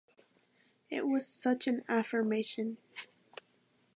It was such an affirmation.